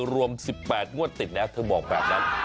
รวม๑๘งวดติดแล้วเธอบอกแบบนั้น